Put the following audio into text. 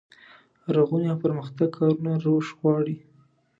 رغونې او پرمختګ کارونه روش غواړي.